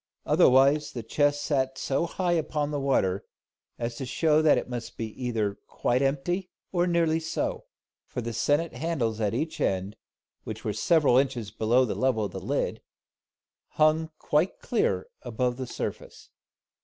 Otherwise the chest sat so high upon the water, as to show that it must either be quite empty or nearly so; for the sennit handles at each end, which were several inches below the level of the lid, hung quite clear above the surface.